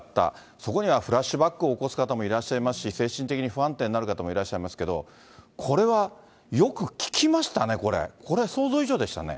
そこにはフラッシュバックを起こす方もいらっしゃいますし、精神的に不安定になる方もいらっしゃいますけれども、これはよく聞きましたね、これ、これ想像以上でしたね。